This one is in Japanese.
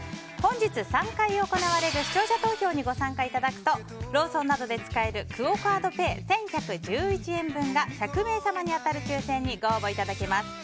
本日、３回行われる視聴者投票にご参加いただくとローソンなどで使えるクオ・カードペイ１１１１円分が１００名様に当たる抽選にご応募いただけます。